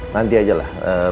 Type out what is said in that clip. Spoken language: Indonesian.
nanti aja lah